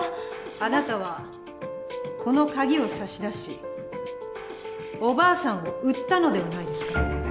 あなたはこのカギを差し出しおばあさんを売ったのではないですか？